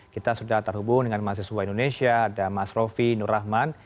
kita sudah terhubung dengan mas yusuf wahid indonesia dan mas rofi nur rahman